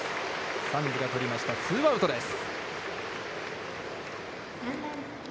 サンズが捕りました、ツーアウトです。